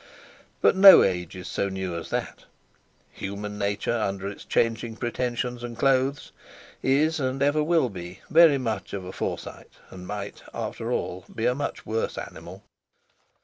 But no Age is so new as that! Human Nature, under its changing pretensions and clothes, is and ever will be very much of a Forsyte, and might, after all, be a much worse animal.